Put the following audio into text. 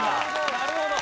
なるほど。